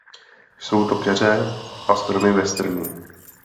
Jsou to keře a stromy bez trnů.